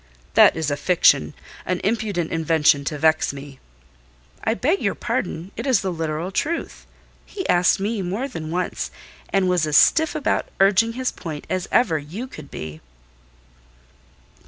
"That is a fiction—an impudent invention to vex me." "I beg your pardon, it is the literal truth: he asked me more than once, and was as stiff about urging his point as ever you could be."